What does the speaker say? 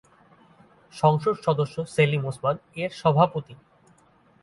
সংসদ সদস্য সেলিম ওসমান এর সভাপতি।